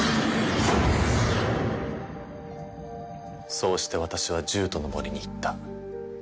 そうして私は獣人の森に行った。